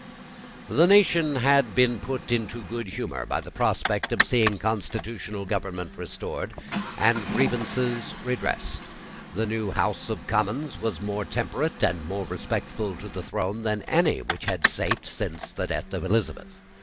The nation had been put into good humour by the prospect of seeing constitutional government restored, and grievances redressed. The new House of Commons was more temperate and more respectful to the throne than any which had sate since the death of Elizabeth.